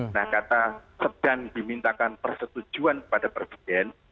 nah kata sedang dimintakan persetujuan kepada presiden